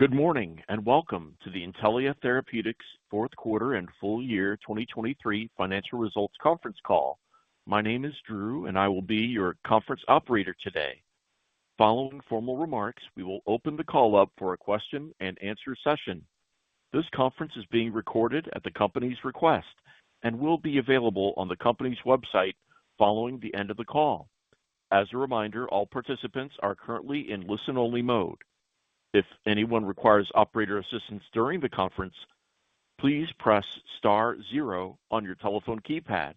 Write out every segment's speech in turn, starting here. Good morning and welcome to the Intellia Therapeutics fourth quarter and full year 2023 financial results conference call. My name is Drew, and I will be your conference operator today. Following formal remarks, we will open the call up for a question-and-answer session. This conference is being recorded at the company's request and will be available on the company's website following the end of the call. As a reminder, all participants are currently in listen-only mode. If anyone requires operator assistance during the conference, please press *0 on your telephone keypad.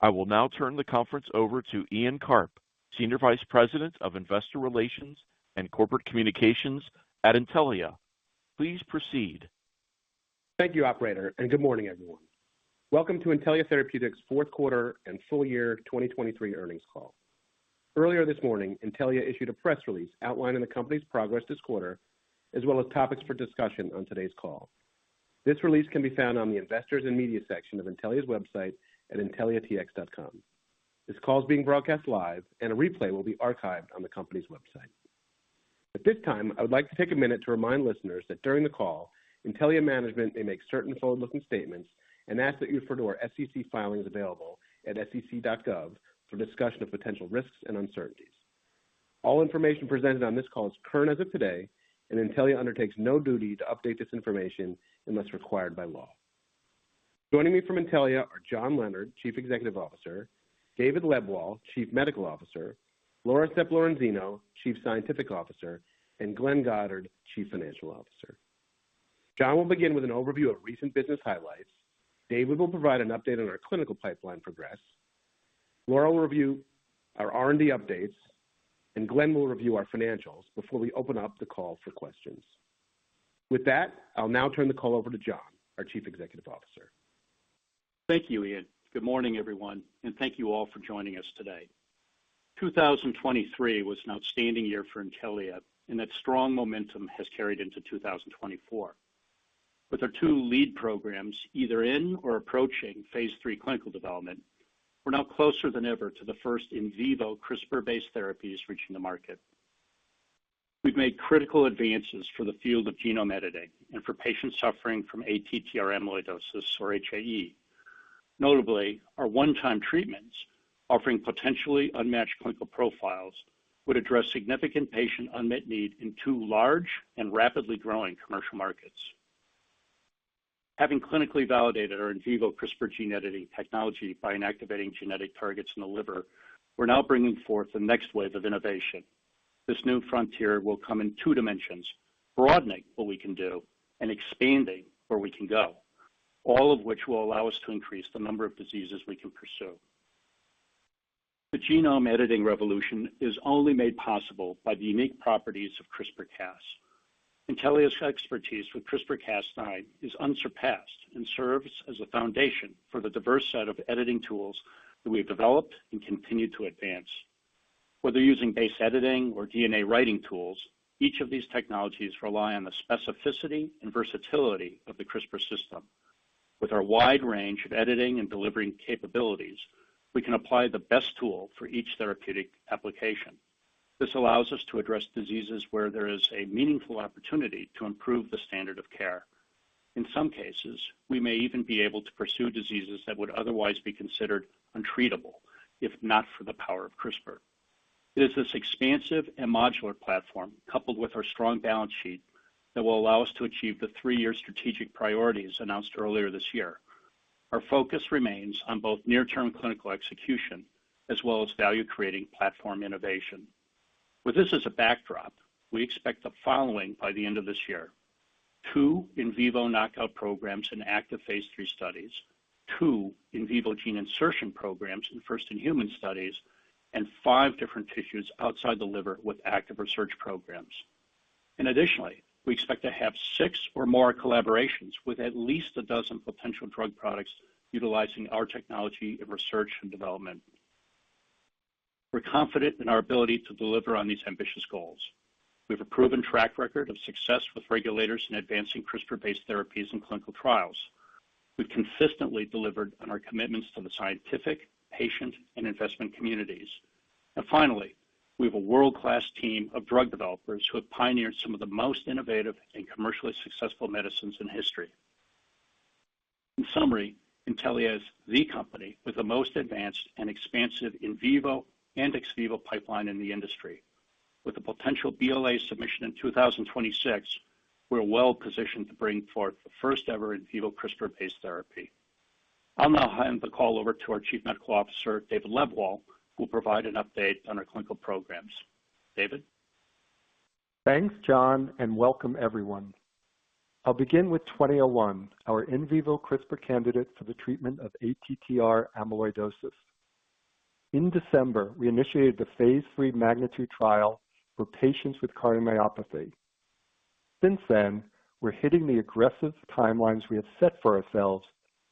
I will now turn the conference over to Ian Karp, Senior Vice President of Investor Relations and Corporate Communications at Intellia. Please proceed. Thank you, operator, and good morning, everyone. Welcome to Intellia Therapeutics fourth quarter and full year 2023 earnings call. Earlier this morning, Intellia issued a press release outlining the company's progress this quarter as well as topics for discussion on today's call. This release can be found on the Investors and Media section of Intellia's website at intellia-tx.com. This call is being broadcast live, and a replay will be archived on the company's website. At this time, I would like to take a minute to remind listeners that during the call, Intellia management may make certain forward-looking statements and ask that you refer to our SEC filings available at sec.gov for discussion of potential risks and uncertainties. All information presented on this call is current as of today, and Intellia undertakes no duty to update this information unless required by law. Joining me from Intellia are John Leonard, Chief Executive Officer, David Lebwohl, Chief Medical Officer, Laura Sepp-Lorenzino, Chief Scientific Officer, and Glenn Goddard, Chief Financial Officer. John will begin with an overview of recent business highlights. David will provide an update on our clinical pipeline progress. Laura will review our R&D updates. Glenn will review our financials before we open up the call for questions. With that, I'll now turn the call over to John, our Chief Executive Officer. Thank you, Ian. Good morning, everyone, and thank you all for joining us today. 2023 was an outstanding year for Intellia, and that strong momentum has carried into 2024. With our two lead programs, either in or approaching phase 3 clinical development, we're now closer than ever to the first in vivo CRISPR-based therapies reaching the market. We've made critical advances for the field of genome editing and for patients suffering from ATTR amyloidosis, or HAE. Notably, our one-time treatments, offering potentially unmatched clinical profiles, would address significant patient unmet need in two large and rapidly growing commercial markets. Having clinically validated our in vivo CRISPR gene editing technology by inactivating genetic targets in the liver, we're now bringing forth the next wave of innovation. This new frontier will come in two dimensions: broadening what we can do and expanding where we can go, all of which will allow us to increase the number of diseases we can pursue. The genome editing revolution is only made possible by the unique properties of CRISPR/Cas. Intellia's expertise with CRISPR/Cas9 is unsurpassed and serves as a foundation for the diverse set of editing tools that we've developed and continue to advance. Whether using base editing or DNA writing tools, each of these technologies rely on the specificity and versatility of the CRISPR system. With our wide range of editing and delivering capabilities, we can apply the best tool for each therapeutic application. This allows us to address diseases where there is a meaningful opportunity to improve the standard of care. In some cases, we may even be able to pursue diseases that would otherwise be considered untreatable if not for the power of CRISPR. It is this expansive and modular platform, coupled with our strong balance sheet, that will allow us to achieve the 3-year strategic priorities announced earlier this year. Our focus remains on both near-term clinical execution as well as value-creating platform innovation. With this as a backdrop, we expect the following by the end of this year: 2 in vivo knockout programs in active phase 3 studies, 2 in vivo gene insertion programs in first-in-human studies, and 5 different tissues outside the liver with active research programs. Additionally, we expect to have 6 or more collaborations with at least 12 potential drug products utilizing our technology in research and development. We're confident in our ability to deliver on these ambitious goals. We have a proven track record of success with regulators in advancing CRISPR-based therapies and clinical trials. We've consistently delivered on our commitments to the scientific, patient, and investment communities. And finally, we have a world-class team of drug developers who have pioneered some of the most innovative and commercially successful medicines in history. In summary, Intellia is the company with the most advanced and expansive in vivo and ex vivo pipeline in the industry. With the potential BLA submission in 2026, we're well positioned to bring forth the first-ever in vivo CRISPR-based therapy. I'll now hand the call over to our Chief Medical Officer, David Lebwohl, who will provide an update on our clinical programs. David? Thanks, John, and welcome, everyone. I'll begin with 2001, our in vivo CRISPR candidate for the treatment of ATTR amyloidosis. In December, we initiated the phase 3 MAGNITUDE trial for patients with cardiomyopathy. Since then, we're hitting the aggressive timelines we have set for ourselves,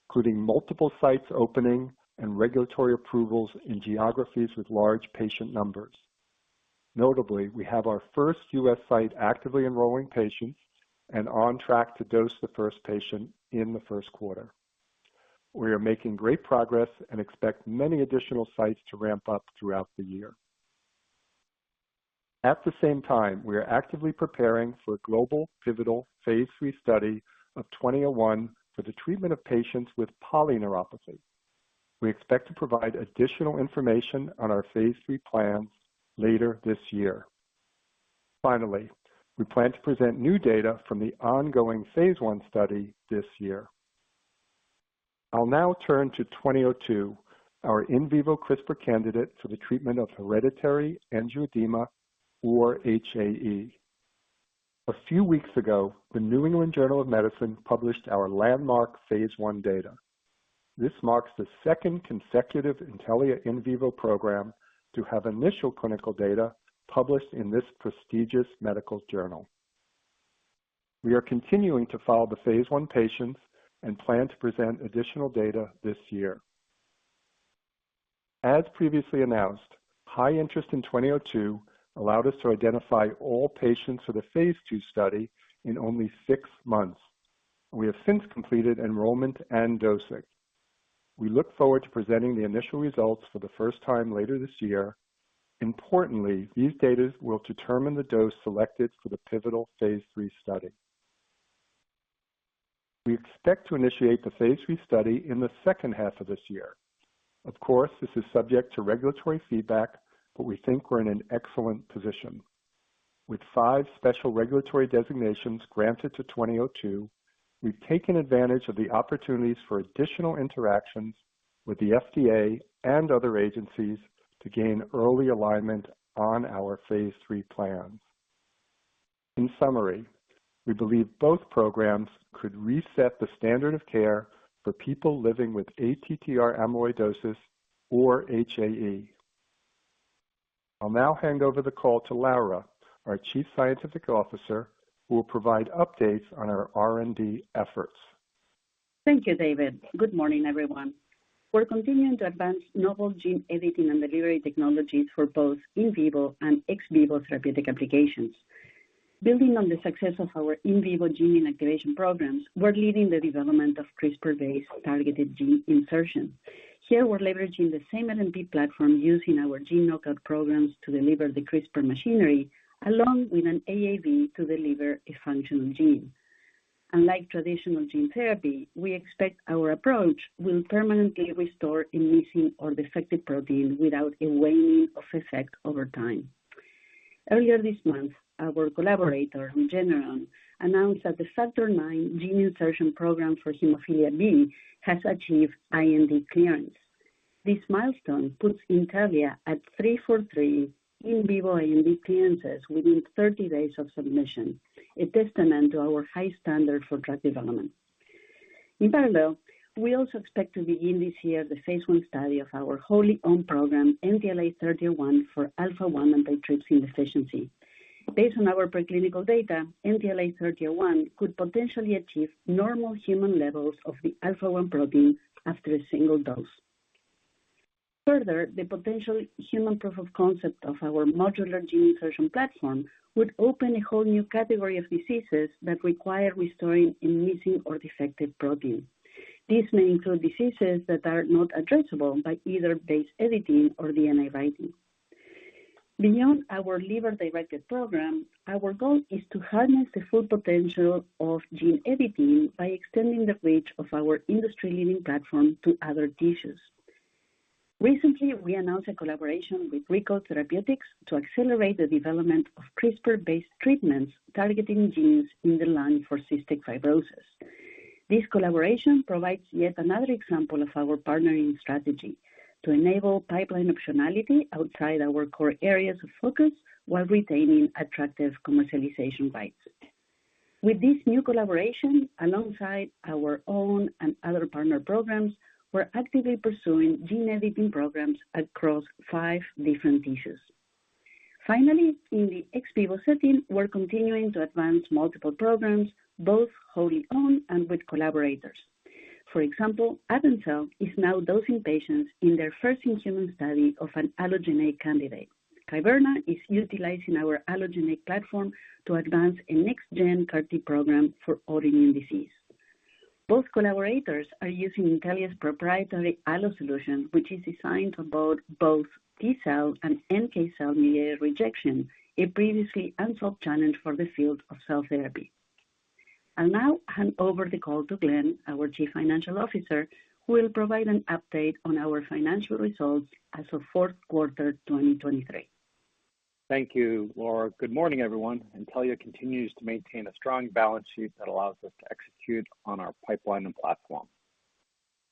including multiple sites opening and regulatory approvals in geographies with large patient numbers. Notably, we have our first U.S. site actively enrolling patients and on track to dose the first patient in the first quarter. We are making great progress and expect many additional sites to ramp up throughout the year. At the same time, we are actively preparing for a global, pivotal phase 3 study of 2001 for the treatment of patients with polyneuropathy. We expect to provide additional information on our phase 3 plans later this year. Finally, we plan to present new data from the ongoing phase 1 study this year. I'll now turn to 2002, our in vivo CRISPR candidate for the treatment of hereditary angioedema, or HAE. A few weeks ago, the New England Journal of Medicine published our landmark phase 1 data. This marks the second consecutive Intellia in vivo program to have initial clinical data published in this prestigious medical journal. We are continuing to follow the phase 1 patients and plan to present additional data this year. As previously announced, high interest in 2002 allowed us to identify all patients for the phase 2 study in only six months. We have since completed enrollment and dosing. We look forward to presenting the initial results for the first time later this year. Importantly, these data will determine the dose selected for the pivotal phase 3 study. We expect to initiate the phase 3 study in the second half of this year. Of course, this is subject to regulatory feedback, but we think we're in an excellent position. With five special regulatory designations granted to 2002, we've taken advantage of the opportunities for additional interactions with the FDA and other agencies to gain early alignment on our phase 3 plans. In summary, we believe both programs could reset the standard of care for people living with ATTR amyloidosis, or HAE. I'll now hand over the call to Laura, our Chief Scientific Officer, who will provide updates on our R&D efforts. Thank you, David. Good morning, everyone. We're continuing to advance novel gene editing and delivery technologies for both in vivo and ex vivo therapeutic applications. Building on the success of our in vivo gene inactivation programs, we're leading the development of CRISPR-based targeted gene insertion. Here we're leveraging the same LNP platform using our gene knockout programs to deliver the CRISPR machinery, along with an AAV to deliver a functional gene. Unlike traditional gene therapy, we expect our approach will permanently restore a missing or defective protein without a waning of effect over time. Earlier this month, our collaborator, Jenny John, announced that the Factor 9 gene insertion program for hemophilia B has achieved IND clearance. This milestone puts Intellia at 3 for 3 in vivo IND clearances within 30 days of submission, a testament to our high standard for drug development. In parallel, we also expect to begin this year the phase 1 study of our wholly owned program, NTLA-3001, for alpha-1 antitrypsin deficiency. Based on our preclinical data, NTLA-3001 could potentially achieve normal human levels of the alpha-1 protein after a single dose. Further, the potential human proof of concept of our modular gene insertion platform would open a whole new category of diseases that require restoring a missing or defective protein. These may include diseases that are not addressable by either base editing or DNA writing. Beyond our liver-directed program, our goal is to harness the full potential of gene editing by extending the reach of our industry-leading platform to other tissues. Recently, we announced a collaboration with ReCode Therapeutics to accelerate the development of CRISPR-based treatments targeting genes in the lung for cystic fibrosis. This collaboration provides yet another example of our partnering strategy to enable pipeline optionality outside our core areas of focus while retaining attractive commercialization rights. With this new collaboration, alongside our own and other partner programs, we're actively pursuing gene editing programs across five different tissues. Finally, in the ex vivo setting, we're continuing to advance multiple programs, both wholly owned and with collaborators. For example, AvenCell is now dosing patients in their first-in-human study of an allogeneic candidate. Kyverna Therapeutics is utilizing our allogeneic platform to advance a next-gen CAR-T program for autoimmune disease. Both collaborators are using Intellia's proprietary alloSolution, which is designed to avoid both T cell and NK cell mediated rejection, a previously unsolved challenge for the field of cell therapy. I'll now hand over the call to Glenn, our Chief Financial Officer, who will provide an update on our financial results as of fourth quarter 2023. Thank you, Laura. Good morning, everyone. Intellia continues to maintain a strong balance sheet that allows us to execute on our pipeline and platform.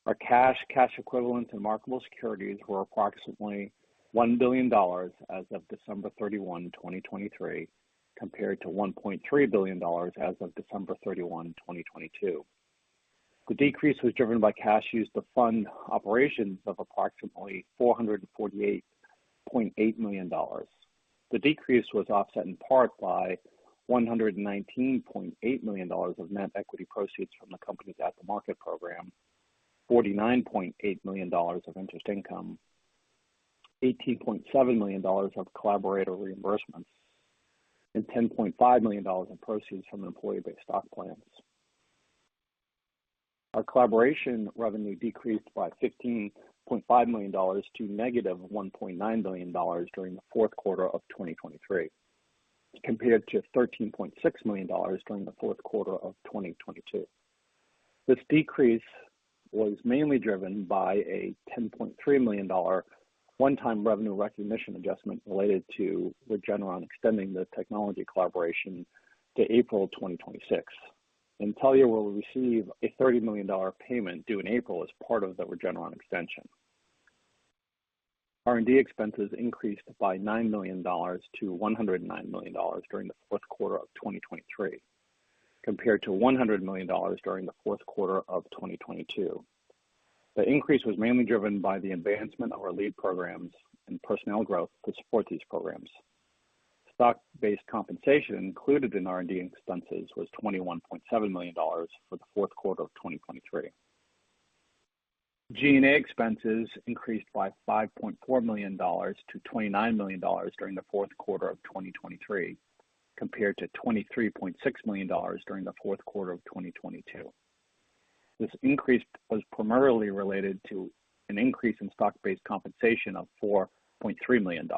Our cash, cash equivalents, and marketable securities were approximately $1 billion as of December 31, 2023, compared to $1.3 billion as of December 31, 2022. The decrease was driven by cash used to fund operations of approximately $448.8 million. The decrease was offset in part by $119.8 million of net equity proceeds from the company's at-the-market program, $49.8 million of interest income, $18.7 million of collaborator reimbursements, and $10.5 million in proceeds from employee-based stock plans. Our collaboration revenue decreased by $15.5 million to -$1.9 billion during the fourth quarter of 2023, compared to $13.6 million during the fourth quarter of 2022. This decrease was mainly driven by a $10.3 million one-time revenue recognition adjustment related to Regeneron extending the technology collaboration to April 2026. Intellia will receive a $30 million payment due in April as part of the Regeneron extension. R&D expenses increased by $9 million to $109 million during the fourth quarter of 2023, compared to $100 million during the fourth quarter of 2022. The increase was mainly driven by the advancement of our lead programs and personnel growth to support these programs. Stock-based compensation included in R&D expenses was $21.7 million for the fourth quarter of 2023. G&A expenses increased by $5.4 million to $29 million during the fourth quarter of 2023, compared to $23.6 million during the fourth quarter of 2022. This increase was primarily related to an increase in stock-based compensation of $4.3 million.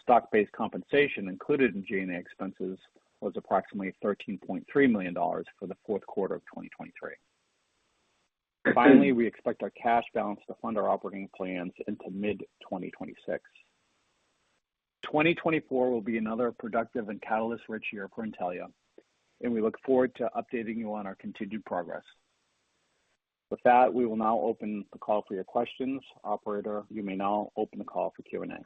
Stock-based compensation included in G&A expenses was approximately $13.3 million for the fourth quarter of 2023. Finally, we expect our cash balance to fund our operating plans into mid-2026. 2024 will be another productive and catalyst-rich year for Intellia, and we look forward to updating you on our continued progress. With that, we will now open the call for your questions. Operator, you may now open the call for Q&A.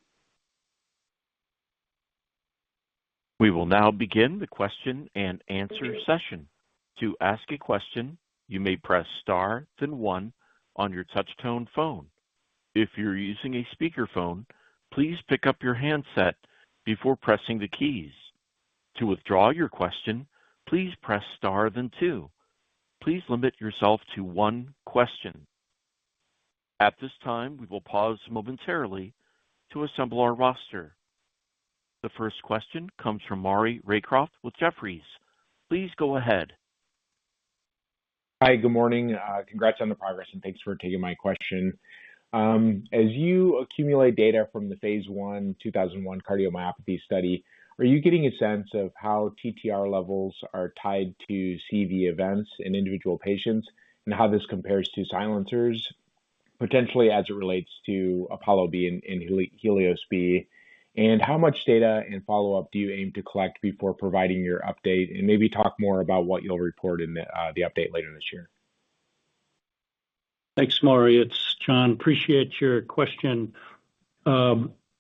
We will now begin the question-and-answer session. To ask a question, you may press * then 1 on your touch-tone phone. If you're using a speakerphone, please pick up your handset before pressing the keys. To withdraw your question, please press * then 2. Please limit yourself to one question. At this time, we will pause momentarily to assemble our roster. The first question comes from Maury Raycroft with Jefferies. Please go ahead. Hi, good morning. Congrats on the progress, and thanks for taking my question. As you accumulate data from the phase 1 2001 cardiomyopathy study, are you getting a sense of how TTR levels are tied to CV events in individual patients and how this compares to silencers, potentially as it relates to APOLLO-B and Helios-B? And how much data and follow-up do you aim to collect before providing your update, and maybe talk more about what you'll report in the update later this year? Thanks, Maury. It's John. Appreciate your question.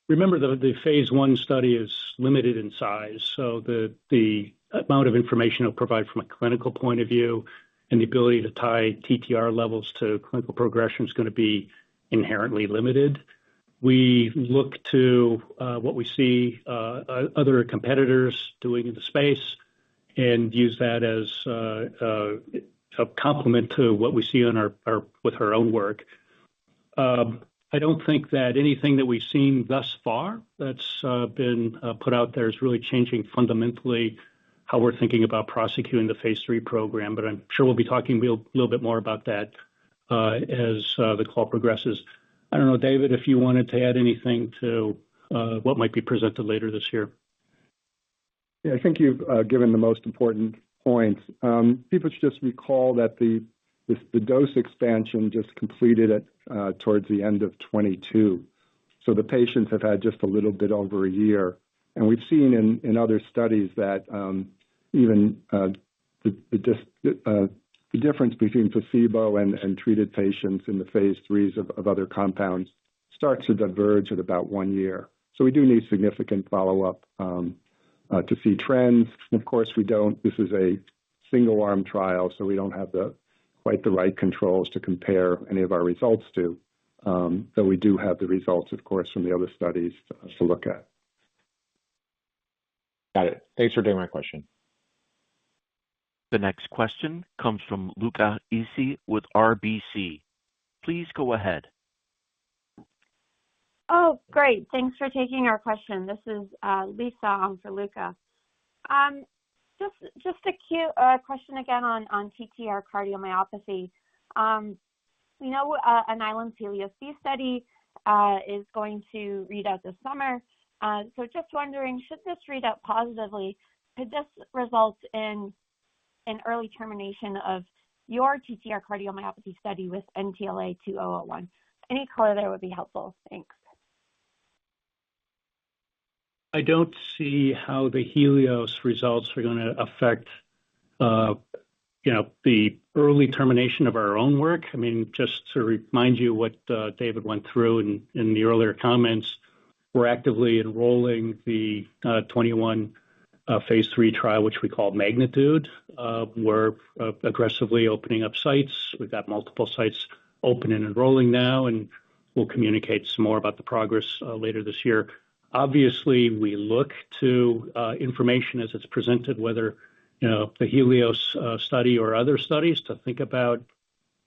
Remember that the phase 1 study is limited in size, so the amount of information it'll provide from a clinical point of view and the ability to tie TTR levels to clinical progression is going to be inherently limited. We look to what we see other competitors doing in the space and use that as a complement to what we see with our own work. I don't think that anything that we've seen thus far that's been put out there is really changing fundamentally how we're thinking about prosecuting the phase 3 program, but I'm sure we'll be talking a little bit more about that as the call progresses. I don't know, David, if you wanted to add anything to what might be presented later this year. Yeah, I think you've given the most important points. People should just recall that the dose expansion just completed towards the end of 2022, so the patients have had just a little bit over a year. And we've seen in other studies that even the difference between placebo and treated patients in the phase 3s of other compounds starts to diverge at about one year. So we do need significant follow-up to see trends. And of course, we don't. This is a single-arm trial, so we don't have quite the right controls to compare any of our results to. Though we do have the results, of course, from the other studies to look at. Got it. Thanks for taking my question. The next question comes from Luca Issi with RBC. Please go ahead. Oh, great. Thanks for taking our question. This is Lisa for Luca. Just a question again on TTR cardiomyopathy. We know Alnylam's Helios B study is going to read out this summer, so just wondering, should this read out positively, could this result in an early termination of your TTR cardiomyopathy study with NTLA-2001? Any color there would be helpful. Thanks. I don't see how the Helios results are going to affect the early termination of our own work. I mean, just to remind you what David went through in the earlier comments, we're actively enrolling the 2021 phase 3 trial, which we call Magnitude. We're aggressively opening up sites. We've got multiple sites open and enrolling now, and we'll communicate some more about the progress later this year. Obviously, we look to information as it's presented, whether the Helios study or other studies, to think about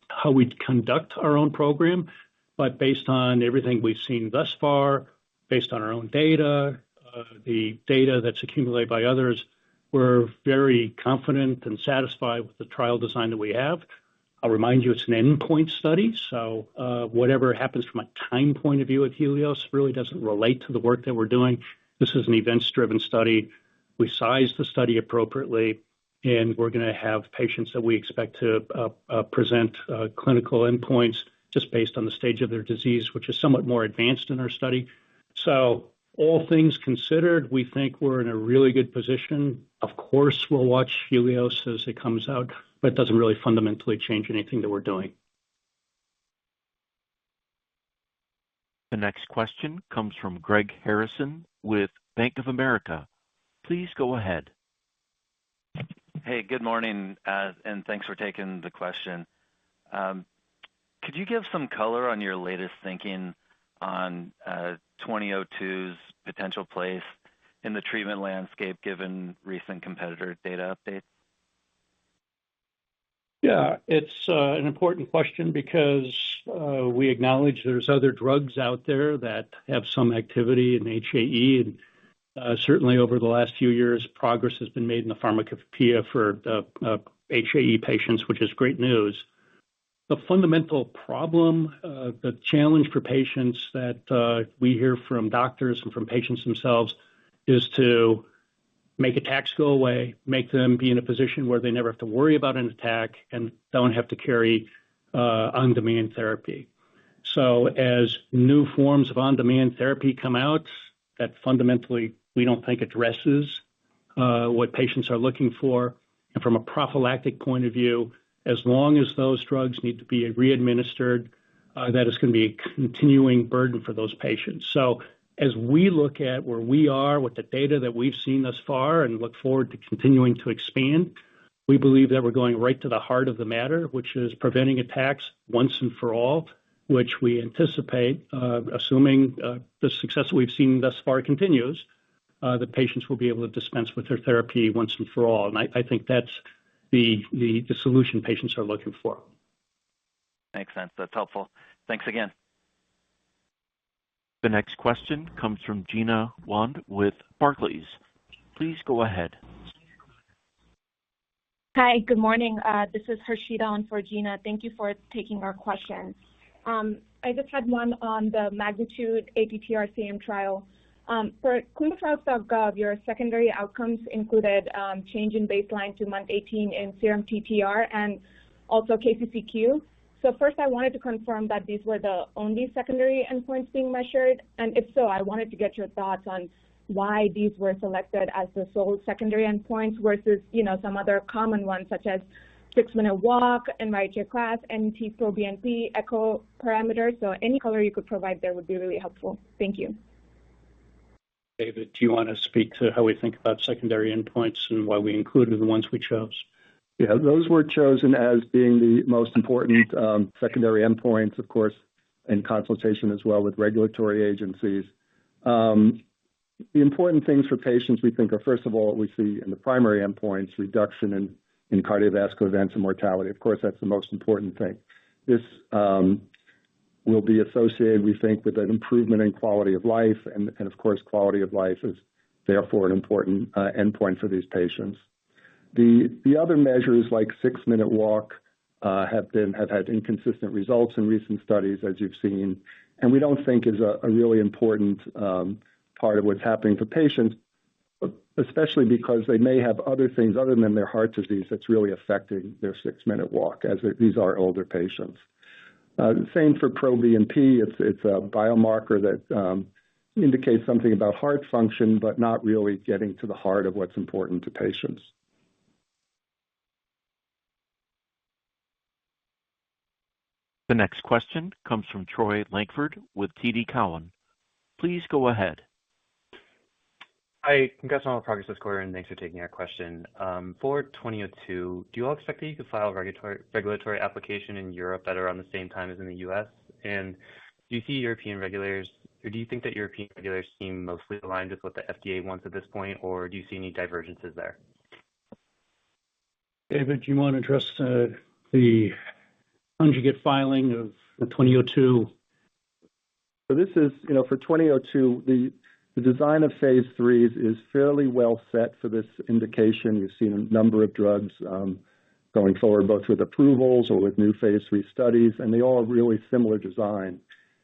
how we'd conduct our own program. But based on everything we've seen thus far, based on our own data, the data that's accumulated by others, we're very confident and satisfied with the trial design that we have. I'll remind you, it's an endpoint study, so whatever happens from a time point of view of Helios really doesn't relate to the work that we're doing. This is an events-driven study. We size the study appropriately, and we're going to have patients that we expect to present clinical endpoints just based on the stage of their disease, which is somewhat more advanced in our study. So all things considered, we think we're in a really good position. Of course, we'll watch Helios as it comes out, but it doesn't really fundamentally change anything that we're doing. The next question comes from Greg Harrison with Bank of America. Please go ahead. Hey, good morning, and thanks for taking the question. Could you give some color on your latest thinking on 2002's potential place in the treatment landscape given recent competitor data updates? Yeah, it's an important question because we acknowledge there's other drugs out there that have some activity in HAE. Certainly, over the last few years, progress has been made in the pharmacopeia for HAE patients, which is great news. The fundamental problem, the challenge for patients that we hear from doctors and from patients themselves, is to make attacks go away, make them be in a position where they never have to worry about an attack, and don't have to carry on-demand therapy. As new forms of on-demand therapy come out that fundamentally we don't think addresses what patients are looking for, and from a prophylactic point of view, as long as those drugs need to be readministered, that is going to be a continuing burden for those patients. So as we look at where we are with the data that we've seen thus far and look forward to continuing to expand, we believe that we're going right to the heart of the matter, which is preventing attacks once and for all, which we anticipate, assuming the success that we've seen thus far continues, the patients will be able to dispense with their therapy once and for all. And I think that's the solution patients are looking for. Makes sense. That's helpful. Thanks again. The next question comes from Gina Wang with Barclays. Please go ahead. Hi, good morning. This is Harshita for Gina. Thank you for taking our question. I just had one on the MAGNITUDE ATTR-CM trial. For ClinicalTrials.gov, your secondary outcomes included change in baseline to month 18 in serum TTR and also KCCQ. First, I wanted to confirm that these were the only secondary endpoints being measured. And if so, I wanted to get your thoughts on why these were selected as the sole secondary endpoints versus some other common ones such as 6-minute walk, NYHA class, NT-proBNP, echo parameters. Any color you could provide there would be really helpful. Thank you. David, do you want to speak to how we think about secondary endpoints and why we included the ones we chose? Yeah, those were chosen as being the most important secondary endpoints, of course, in consultation as well with regulatory agencies. The important things for patients, we think, are, first of all, what we see in the primary endpoints: reduction in cardiovascular events and mortality. Of course, that's the most important thing. This will be associated, we think, with an improvement in quality of life. And of course, quality of life is, therefore, an important endpoint for these patients. The other measures, like six-minute walk, have had inconsistent results in recent studies, as you've seen, and we don't think is a really important part of what's happening to patients, especially because they may have other things other than their heart disease that's really affecting their six-minute walk as these are older patients. Same for NT-proBNP. It's a biomarker that indicates something about heart function but not really getting to the heart of what's important to patients. The next question comes from Troy Langford with TD Cowen. Please go ahead. Hi, congrats on all the progress this quarter, and thanks for taking our question. For 2002, do you all expect that you could file a regulatory application in Europe at around the same time as in the U.S.? And do you see European regulators or do you think that European regulators seem mostly aligned with what the FDA wants at this point, or do you see any divergences there? David, do you want to address the conjugate filing of 2002? So for 2002, the design of phase 3s is fairly well set for this indication. You've seen a number of drugs going forward, both with approvals or with new phase 3 studies, and they all have really similar design.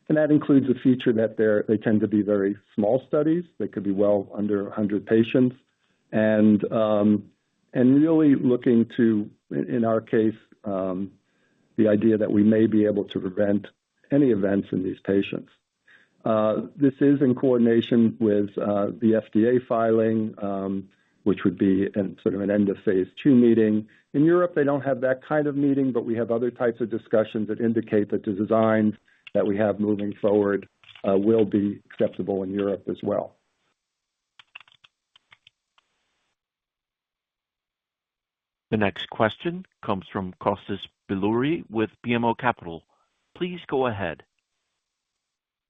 And that includes a feature that they tend to be very small studies. They could be well under 100 patients and really looking to, in our case, the idea that we may be able to prevent any events in these patients. This is in coordination with the FDA filing, which would be sort of an end-of-phase 2 meeting. In Europe, they don't have that kind of meeting, but we have other types of discussions that indicate that the designs that we have moving forward will be acceptable in Europe as well. The next question comes from Kostas Biliouris with BMO Capital. Please go ahead.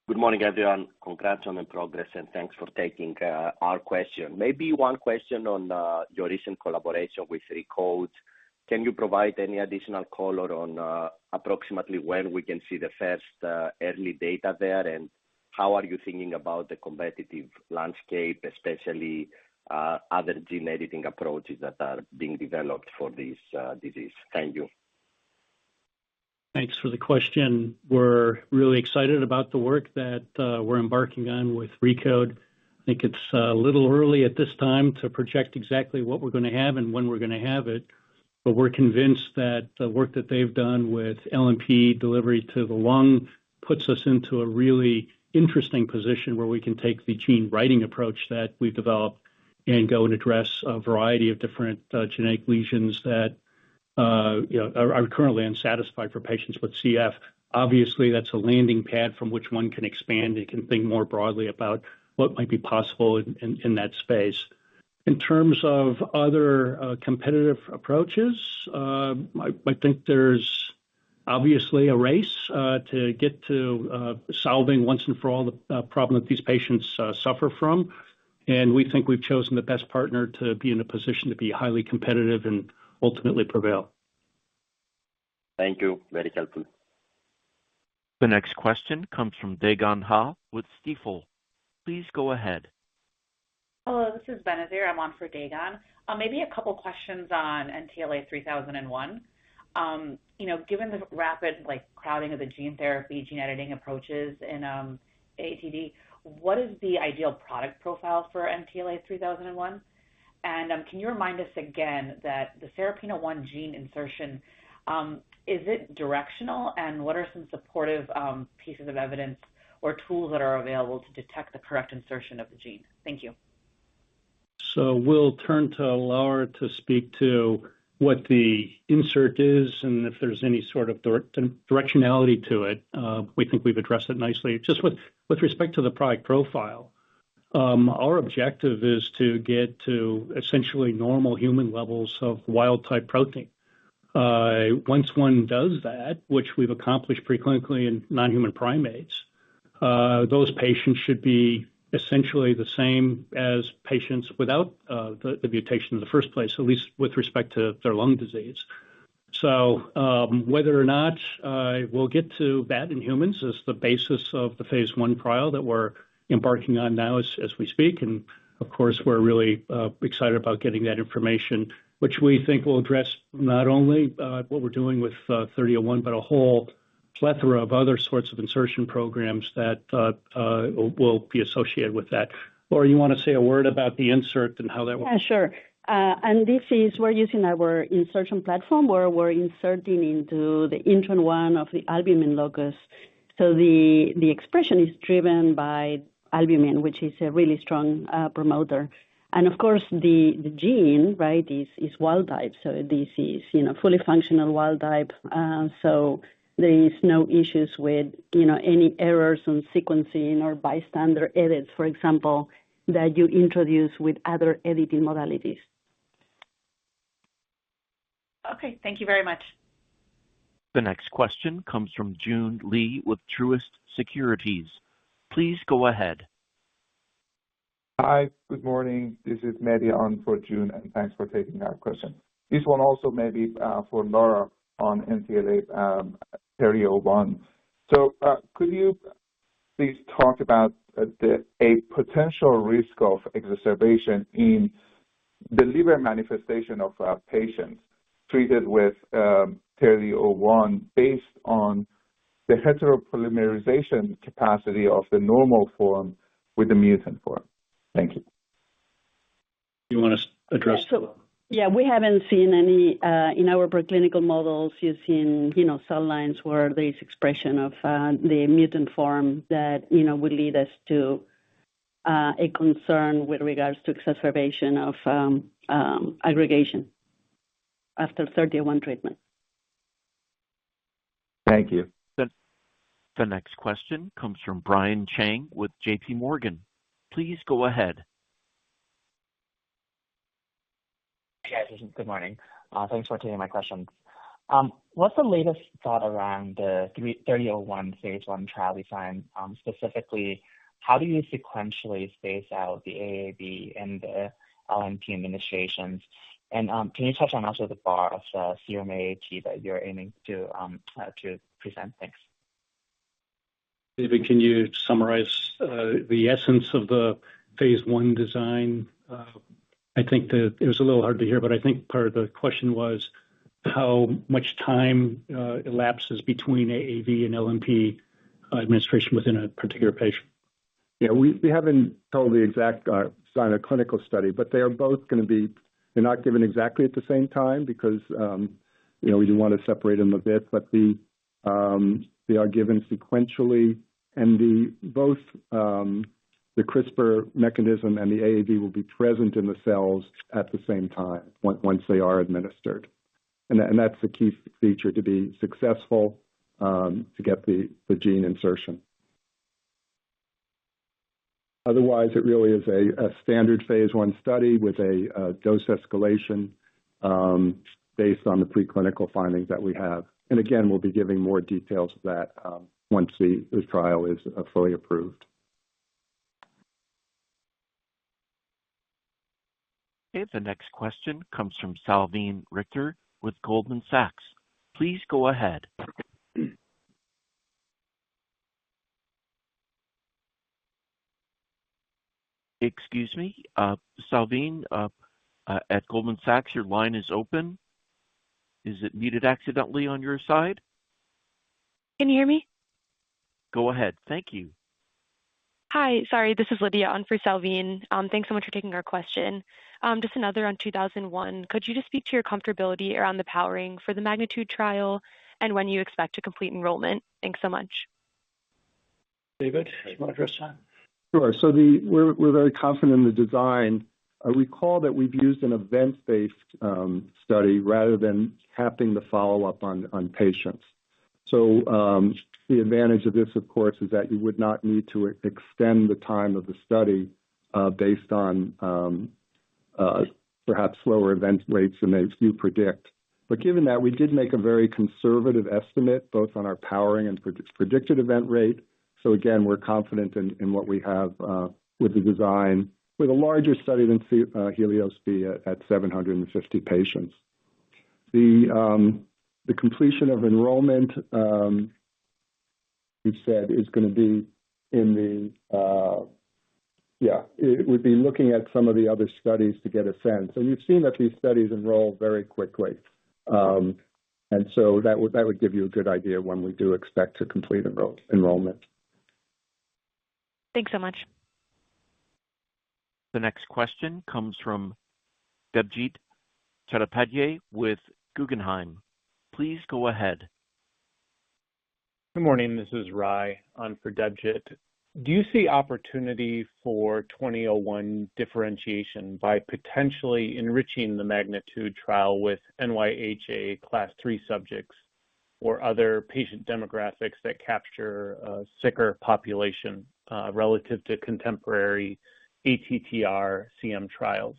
Good morning, everyone. Congrats on the progress, and thanks for taking our question. Maybe one question on your recent collaboration with ReCode. Can you provide any additional color on approximately when we can see the first early data there, and how are you thinking about the competitive landscape, especially other gene editing approaches that are being developed for this disease? Thank you. Thanks for the question. We're really excited about the work that we're embarking on with ReCode. I think it's a little early at this time to project exactly what we're going to have and when we're going to have it, but we're convinced that the work that they've done with LNP delivery to the lung puts us into a really interesting position where we can take the gene writing approach that we've developed and go and address a variety of different genetic lesions that are currently unsatisfied for patients with CF. Obviously, that's a landing pad from which one can expand and can think more broadly about what might be possible in that space. In terms of other competitive approaches, I think there's obviously a race to get to solving once and for all the problem that these patients suffer from. We think we've chosen the best partner to be in a position to be highly competitive and ultimately prevail. Thank you. Very helpful. The next question comes from Dagon Ha with Stifel. Please go ahead. Hello, this is Benazir. I'm on for Dae Gon Ha. Maybe a couple of questions on NTLA-3001. Given the rapid crowding of the gene therapy, gene editing approaches in AATD, what is the ideal product profile for NTLA-3001? And can you remind us again that the SERPINA1 gene insertion, is it directional, and what are some supportive pieces of evidence or tools that are available to detect the correct insertion of the gene? Thank you. So we'll turn to Laura to speak to what the insert is and if there's any sort of directionality to it. We think we've addressed it nicely. Just with respect to the product profile, our objective is to get to essentially normal human levels of wild-type protein. Once one does that, which we've accomplished preclinically in non-human primates, those patients should be essentially the same as patients without the mutation in the first place, at least with respect to their lung disease. So whether or not we'll get to that in humans is the basis of the phase 1 trial that we're embarking on now as we speak. And of course, we're really excited about getting that information, which we think will address not only what we're doing with 3001 but a whole plethora of other sorts of insertion programs that will be associated with that. Laura, you want to say a word about the insert and how that works? Yeah, sure. And this is, we're using our insertion platform where we're inserting into the intron 1 of the albumin locus. So the expression is driven by albumin, which is a really strong promoter. And of course, the gene, right, is wild-type. So this is fully functional wild-type. So there are no issues with any errors on sequencing or bystander edits, for example, that you introduce with other editing modalities. Okay. Thank you very much. The next question comes from Joon Lee with Truist Securities. Please go ahead. Hi, good morning. This is Medya for June, and thanks for taking our question. This one also may be for Laura on NTLA-3001. So could you please talk about a potential risk of exacerbation in the liver manifestation of patients treated with 3001 based on the heteropolymerization capacity of the normal form with the mutant form? Thank you. You want to address? Yeah. So yeah, we haven't seen any in our preclinical models using cell lines where there is expression of the mutant form that would lead us to a concern with regards to exacerbation of aggregation after 3001 treatment. Thank you. The next question comes from Brian Cheng with JP Morgan. Please go ahead. Hey, guys. This is good morning. Thanks for taking my questions. What's the latest thought around the 3001 phase 1 trial design? Specifically, how do you sequentially space out the AAV and the LNP administrations? And can you touch on also the bar of the RMAT that you're aiming to present? Thanks. David, can you summarize the essence of the phase 1 design? I think that it was a little hard to hear, but I think part of the question was how much time elapses between AAV and LNP administration within a particular patient. Yeah, we haven't told the exact design of clinical study, but they are both going to be; they're not given exactly at the same time because we do want to separate them a bit, but they are given sequentially. And both the CRISPR mechanism and the AAV will be present in the cells at the same time once they are administered. And that's the key feature: to be successful to get the gene insertion. Otherwise, it really is a standard phase 1 study with a dose escalation based on the preclinical findings that we have. And again, we'll be giving more details of that once the trial is fully approved. The next question comes from Salveen Richter with Goldman Sachs. Please go ahead. Excuse me. Salveen at Goldman Sachs, your line is open. Is it muted accidentally on your side? Can you hear me? Go ahead. Thank you. Hi, sorry. This is Lydia for Salveen. Thanks so much for taking our question. Just another on 2001. Could you just speak to your comfortability around the powering for the MAGNITUDE trial and when you expect to complete enrollment? Thanks so much. David, do you want to address that? Sure. So we're very confident in the design. We call that we've used an event-based study rather than capping the follow-up on patients. So the advantage of this, of course, is that you would not need to extend the time of the study based on perhaps slower event rates than you predict. But given that, we did make a very conservative estimate both on our powering and predicted event rate. So again, we're confident in what we have with the design with a larger study than Helios B at 750 patients. The completion of enrollment, you said, is going to be in the yeah, it would be looking at some of the other studies to get a sense. And you've seen that these studies enroll very quickly. And so that would give you a good idea when we do expect to complete enrollment. Thanks so much. The next question comes from Debjit Chattopadhyay with Guggenheim. Please go ahead. Good morning. This is Rai for Debjit. Do you see opportunity for 2001 differentiation by potentially enriching the MAGNITUDE trial with NYHA Class III subjects or other patient demographics that capture a sicker population relative to contemporary ATTR CM trials?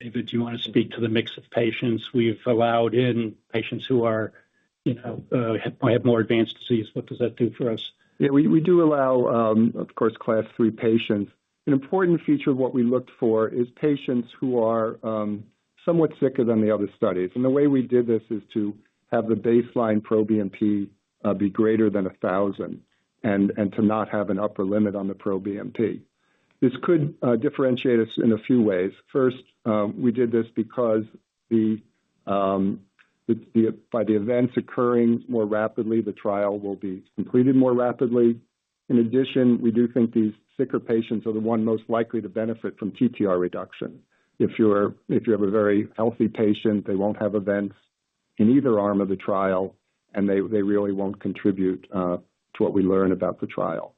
David, do you want to speak to the mix of patients? We've allowed in patients who have more advanced disease. What does that do for us? Yeah, we do allow, of course, Class III patients. An important feature of what we looked for is patients who are somewhat sicker than the other studies. The way we did this is to have the baseline NT-proBNP be greater than 1,000 and to not have an upper limit on the NT-proBNP. This could differentiate us in a few ways. First, we did this because by the events occurring more rapidly, the trial will be completed more rapidly. In addition, we do think these sicker patients are the ones most likely to benefit from TTR reduction. If you have a very healthy patient, they won't have events in either arm of the trial, and they really won't contribute to what we learn about the trial.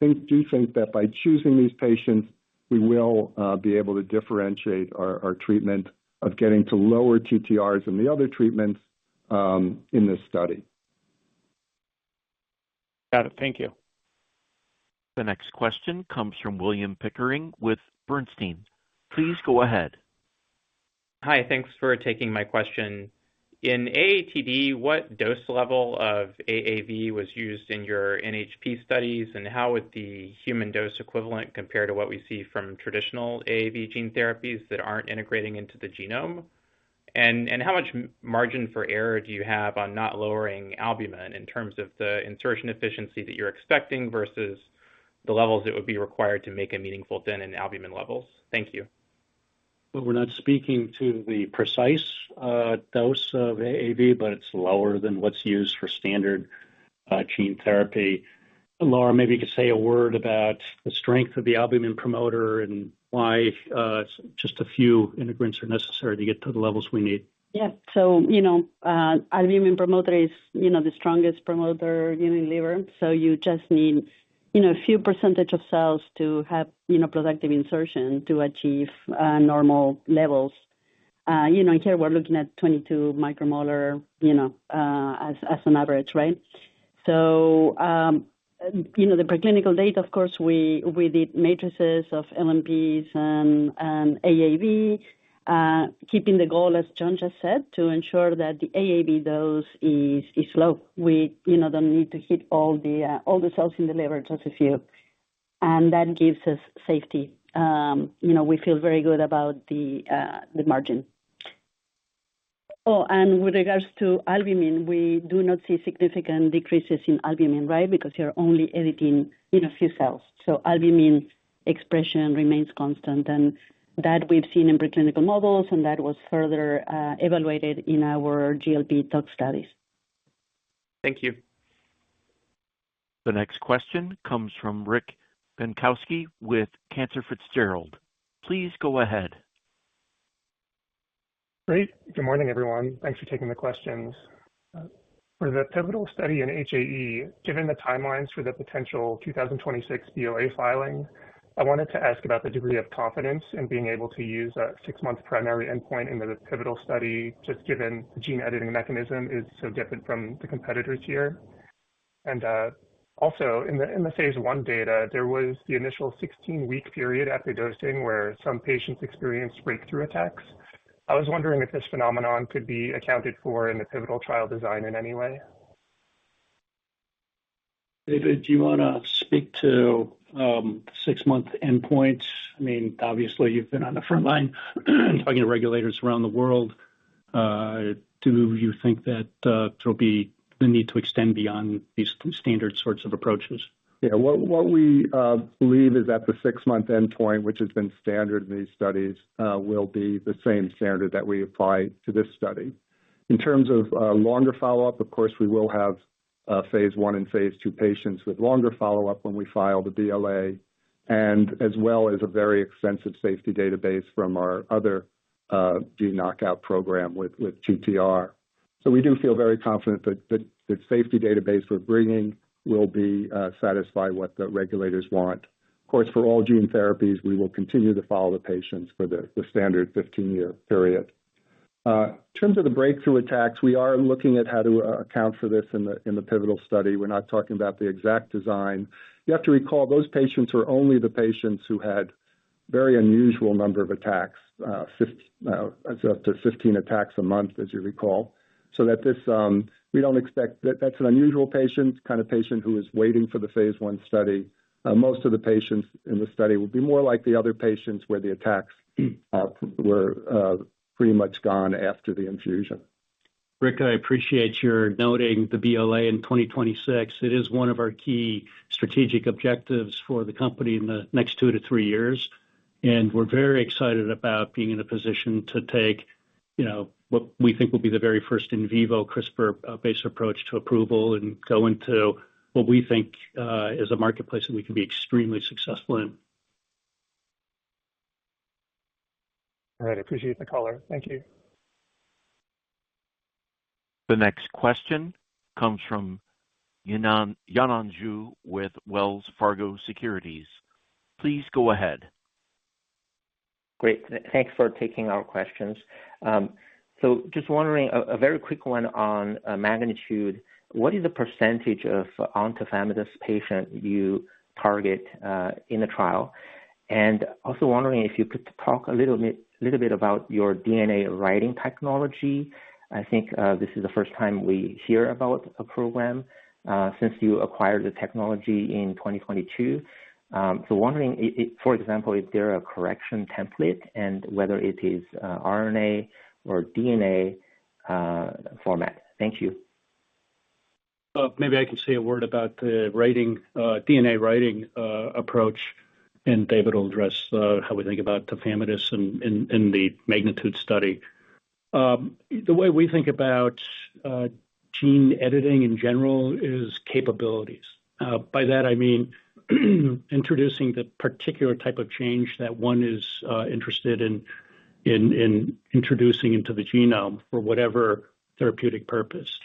We do think that by choosing these patients, we will be able to differentiate our treatment of getting to lower TTRs than the other treatments in this study. Got it. Thank you. The next question comes from William Pickering with Bernstein. Please go ahead. Hi. Thanks for taking my question. In AATD, what dose level of AAV was used in your NHP studies, and how would the human dose equivalent compare to what we see from traditional AAV gene therapies that aren't integrating into the genome? How much margin for error do you have on not lowering albumin in terms of the insertion efficiency that you're expecting versus the levels it would be required to make a meaningful dent in albumin levels? Thank you. Well, we're not speaking to the precise dose of AAV, but it's lower than what's used for standard gene therapy. Laura, maybe you could say a word about the strength of the albumin promoter and why just a few integrants are necessary to get to the levels we need. Yeah. So albumin promoter is the strongest promoter in the liver. So you just need a few percentage of cells to have productive insertion to achieve normal levels. And here, we're looking at 22 micromolar as an average, right? So the preclinical data, of course, we did matrices of LNPs and AAV, keeping the goal, as John just said, to ensure that the AAV dose is low. We don't need to hit all the cells in the liver, just a few. And that gives us safety. We feel very good about the margin. Oh, and with regards to albumin, we do not see significant decreases in albumin, right, because you're only editing a few cells. So albumin expression remains constant. And that we've seen in preclinical models, and that was further evaluated in our GLP TOC studies. Thank you. The next question comes from Rick Bienkowski with Cantor Fitzgerald. Please go ahead. Great. Good morning, everyone. Thanks for taking the questions. For the pivotal study in HAE, given the timelines for the potential 2026 BLA filing, I wanted to ask about the degree of confidence in being able to use a six-month primary endpoint in the pivotal study just given the gene editing mechanism is so different from the competitors here. And also, in the phase 1 data, there was the initial 16-week period after dosing where some patients experienced breakthrough attacks. I was wondering if this phenomenon could be accounted for in the pivotal trial design in any way. David, do you want to speak to 6-month endpoints? I mean, obviously, you've been on the front line talking to regulators around the world. Do you think that there'll be the need to extend beyond these standard sorts of approaches? Yeah. What we believe is that the six-month endpoint, which has been standard in these studies, will be the same standard that we apply to this study. In terms of longer follow-up, of course, we will have Phase 1 and Phase 2 patients with longer follow-up when we file the BLA and as well as a very extensive safety database from our other gene knockout program with TTR. So we do feel very confident that the safety database we're bringing will satisfy what the regulators want. Of course, for all gene therapies, we will continue to follow the patients for the standard 15-year period. In terms of the breakthrough attacks, we are looking at how to account for this in the pivotal study. We're not talking about the exact design. You have to recall, those patients are only the patients who had a very unusual number of attacks, up to 15 attacks a month, as you recall, so that we don't expect that's an unusual patient, kind of patient who is waiting for the phase 1 study. Most of the patients in the study will be more like the other patients where the attacks were pretty much gone after the infusion. Rick, I appreciate your noting the BLA in 2026. It is one of our key strategic objectives for the company in the next 2-3 years. We're very excited about being in a position to take what we think will be the very first in vivo CRISPR-based approach to approval and go into what we think is a marketplace that we can be extremely successful in. All right. I appreciate the caller. Thank you. The next question comes from Yanan Zhu with Wells Fargo Securities. Please go ahead. Great. Thanks for taking our questions. So just wondering, a very quick one on MAGNITUDE. What is the percentage of on tafamidis patients you target in the trial? And also wondering if you could talk a little bit about your DNA writing technology. I think this is the first time we hear about a program since you acquired the technology in 2022. So wondering, for example, if there are correction templates and whether it is RNA or DNA format. Thank you. Maybe I can say a word about the DNA writing approach, and David will address how we think about tafamidis in the MAGNITUDE study. The way we think about gene editing in general is capabilities. By that, I mean introducing the particular type of change that one is interested in introducing into the genome for whatever therapeutic purpose.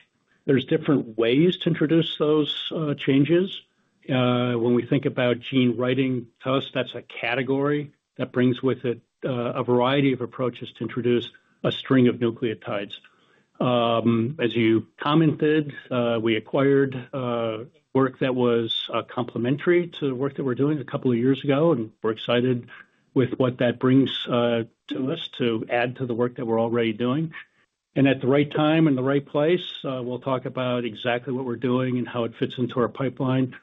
There's different ways to introduce those changes. When we think about gene writing to us, that's a category that brings with it a variety of approaches to introduce a string of nucleotides. As you commented, we acquired work that was complementary to the work that we're doing a couple of years ago, and we're excited with what that brings to us to add to the work that we're already doing. At the right time and the right place, we'll talk about exactly what we're doing and how it fits into our pipeline.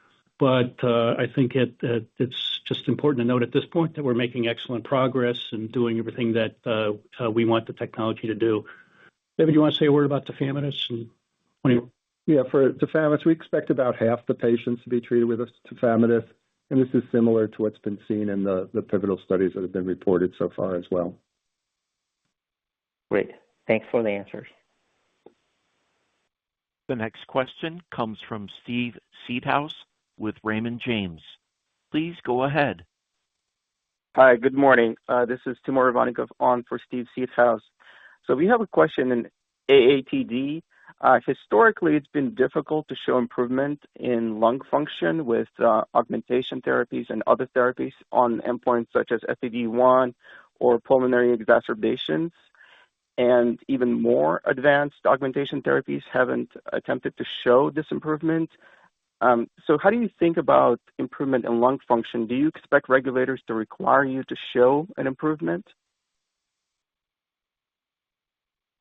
I think it's just important to note at this point that we're making excellent progress and doing everything that we want the technology to do. David, do you want to say a word about tafamidis and? Yeah. For tafamidis, we expect about half the patients to be treated with tafamidis. This is similar to what's been seen in the pivotal studies that have been reported so far as well. Great. Thanks for the answers. The next question comes from Steve Seedhouse with Raymond James. Please go ahead. Hi. Good morning. This is Timur Ivannikov for Steve Seedhouse. We have a question in AATD. Historically, it's been difficult to show improvement in lung function with augmentation therapies and other therapies on endpoints such as FEV1 or pulmonary exacerbations. Even more advanced augmentation therapies haven't attempted to show this improvement. How do you think about improvement in lung function? Do you expect regulators to require you to show an improvement?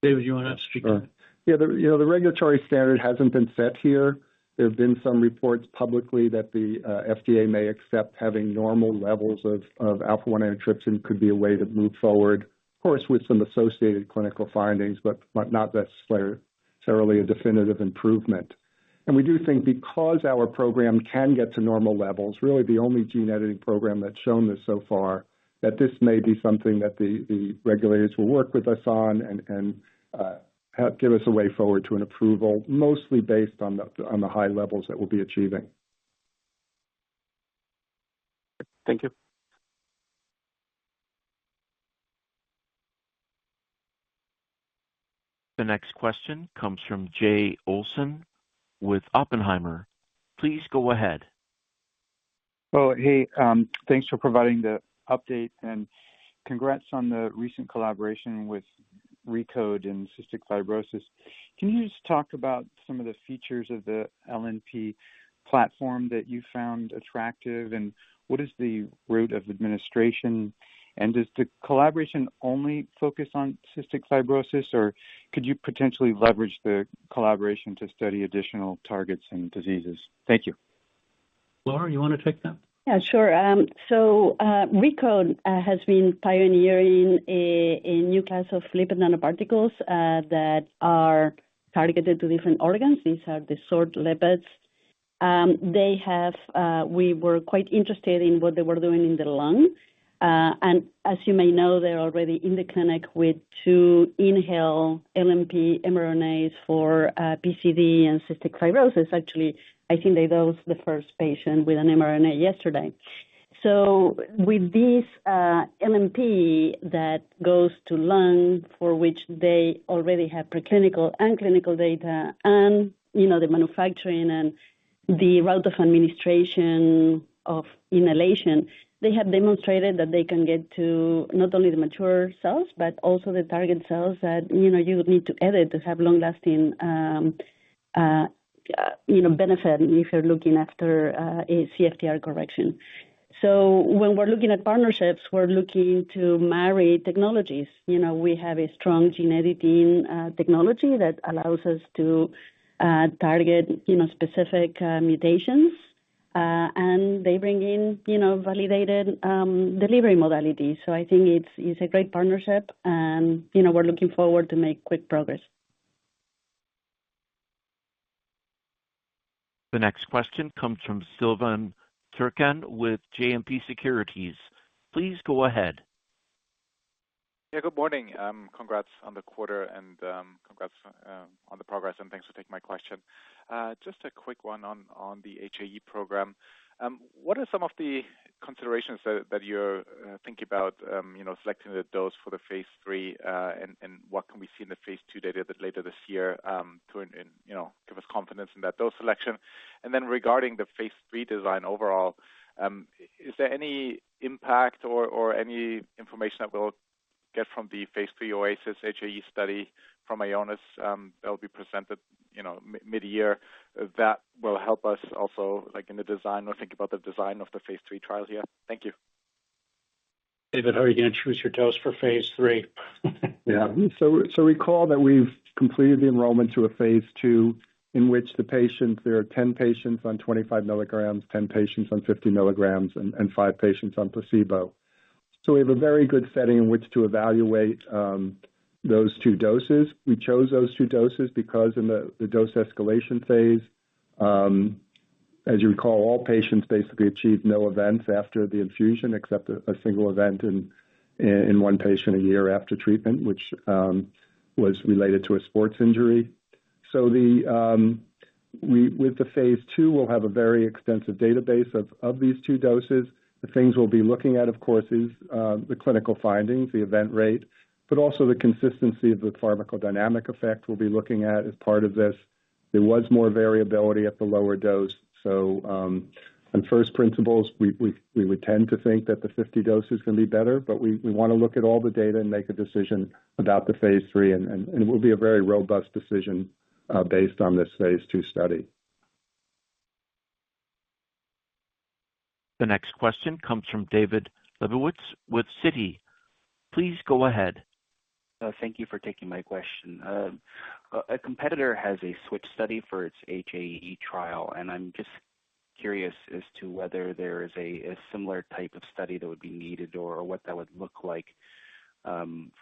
David, do you want to speak to that? Yeah. The regulatory standard hasn't been set here. There have been some reports publicly that the FDA may accept having normal levels of alpha-1 antitrypsin could be a way to move forward, of course, with some associated clinical findings, but not necessarily a definitive improvement. And we do think because our program can get to normal levels, really the only gene editing program that's shown this so far, that this may be something that the regulators will work with us on and give us a way forward to an approval mostly based on the high levels that we'll be achieving. Thank you. The next question comes from Jay Olson with Oppenheimer. Please go ahead. Well, hey, thanks for providing the update, and congrats on the recent collaboration with ReCode in cystic fibrosis. Can you just talk about some of the features of the LNP platform that you found attractive, and what is the route of administration? And does the collaboration only focus on cystic fibrosis, or could you potentially leverage the collaboration to study additional targets and diseases? Thank you. Laura, do you want to take that? Yeah, sure. So ReCode has been pioneering a new class of lipid nanoparticles that are targeted to different organs. These are the SORT lipids. We were quite interested in what they were doing in the lung. And as you may know, they're already in the clinic with two inhaled LNP mRNAs for PCD and cystic fibrosis. Actually, I think they dosed the first patient with an mRNA yesterday. So with this LNP that goes to lung for which they already have preclinical and clinical data and the manufacturing and the route of administration of inhalation, they have demonstrated that they can get to not only the mature cells but also the target cells that you need to edit to have long-lasting benefit if you're looking after a CFTR correction. So when we're looking at partnerships, we're looking to marry technologies. We have a strong gene editing technology that allows us to target specific mutations, and they bring in validated delivery modalities. So I think it's a great partnership, and we're looking forward to making quick progress. The next question comes from Silvan Tuerkcan with JMP Securities. Please go ahead. Yeah. Good morning. Congrats on the quarter, and congrats on the progress, and thanks for taking my question. Just a quick one on the HAE program. What are some of the considerations that you're thinking about selecting the dose for the phase 3, and what can we see in the phase 2 data later this year to give us confidence in that dose selection? And then regarding the phase 3 design overall, is there any impact or any information that we'll get from the phase 3 Oasis HAE study from Ionis that'll be presented mid-year that will help us also in the design or think about the design of the phase 3 trial here? Thank you. David, how are you going to choose your dose for phase 3? Yeah. So recall that we've completed the enrollment to a phase 2 in which there are 10 patients on 25 milligrams, 10 patients on 50 milligrams, and 5 patients on placebo. So we have a very good setting in which to evaluate those two doses. We chose those two doses because in the dose escalation phase, as you recall, all patients basically achieved no events after the infusion except a single event in one patient a year after treatment, which was related to a sports injury. So with the phase 2, we'll have a very extensive database of these two doses. The things we'll be looking at, of course, is the clinical findings, the event rate, but also the consistency of the pharmacodynamic effect we'll be looking at as part of this. There was more variability at the lower dose. On first principles, we would tend to think that the 50 dose is going to be better, but we want to look at all the data and make a decision about the phase 3. It will be a very robust decision based on this phase 2 study. The next question comes from David Lebowitz with Citi. Please go ahead. Thank you for taking my question. A competitor has a switch study for its HAE trial, and I'm just curious as to whether there is a similar type of study that would be needed or what that would look like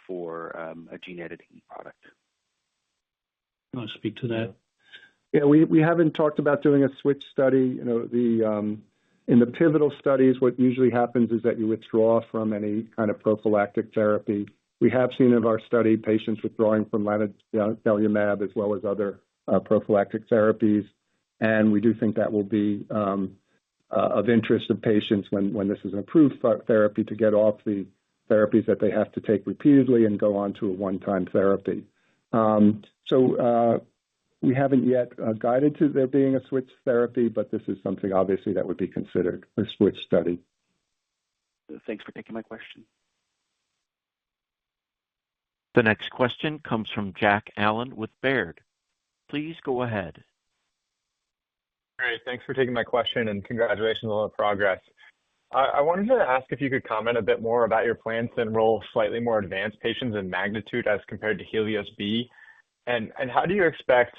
for a gene editing product? Do you want to speak to that? Yeah. We haven't talked about doing a switch study. In the pivotal studies, what usually happens is that you withdraw from any kind of prophylactic therapy. We have seen in our study patients withdrawing from lanadelumab as well as other prophylactic therapies. And we do think that will be of interest to patients when this is an approved therapy to get off the therapies that they have to take repeatedly and go on to a one-time therapy. So we haven't yet guided to there being a switch therapy, but this is something, obviously, that would be considered a switch study. Thanks for taking my question. The next question comes from Jack Allen with Baird. Please go ahead. Great. Thanks for taking my question, and congratulations on the progress. I wanted to ask if you could comment a bit more about your plans to enroll slightly more advanced patients in MAGNITUDE as compared to Helios B. How do you expect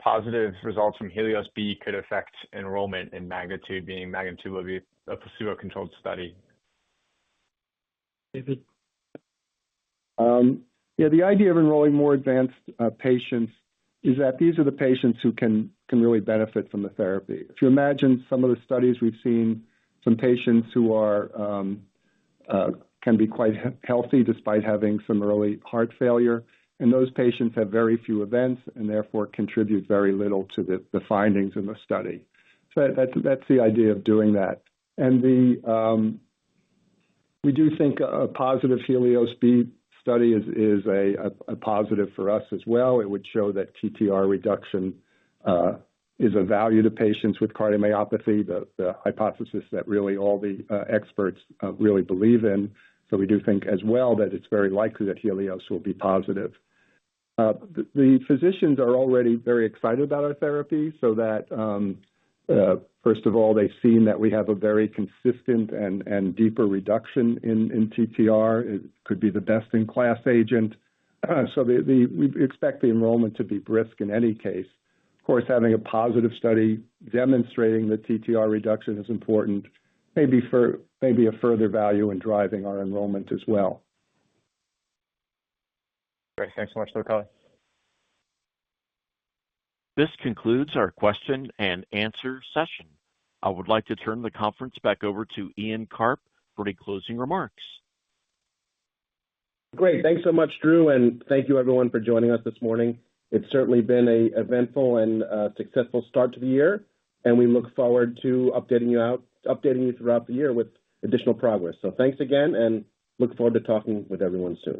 positive results from Helios B could affect enrollment in MAGNITUDE, being MAGNITUDE will be a placebo-controlled study? David? Yeah. The idea of enrolling more advanced patients is that these are the patients who can really benefit from the therapy. If you imagine some of the studies we've seen, some patients who can be quite healthy despite having some early heart failure, and those patients have very few events and therefore contribute very little to the findings in the study. So that's the idea of doing that. And we do think a positive Helios B study is a positive for us as well. It would show that TTR reduction is of value to patients with cardiomyopathy, the hypothesis that really all the experts really believe in. So we do think as well that it's very likely that Helios will be positive. The physicians are already very excited about our therapy so that, first of all, they've seen that we have a very consistent and deeper reduction in TTR. It could be the best-in-class agent. So we expect the enrollment to be brisk in any case. Of course, having a positive study demonstrating the TTR reduction is important, maybe a further value in driving our enrollment as well. Great. Thanks so much, This concludes our question and answer session. I would like to turn the conference back over to Ian Karp for any closing remarks. Great. Thanks so much, Drew. And thank you, everyone, for joining us this morning. It's certainly been an eventful and successful start to the year, and we look forward to updating you throughout the year with additional progress. So thanks again, and look forward to talking with everyone soon.